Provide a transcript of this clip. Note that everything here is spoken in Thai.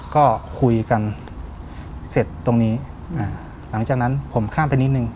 ก็คุยกันเสร็จตรงนี้อ่าหลังจากนั้นผมข้ามไปนิดนึง